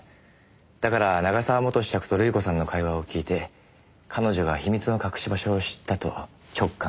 だから永沢元子爵と瑠璃子さんの会話を聞いて彼女が秘密の隠し場所を知ったと直感した。